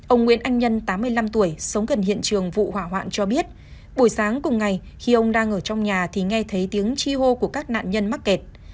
ông nguyễn anh nhân tám mươi năm tuổi sống gần hiện trường vụ hỏa hoạn cho biết buổi sáng cùng ngày khi ông đang ở trong nhà thì nghe thấy tiếng chi hô của các nạn nhân mắc kẹt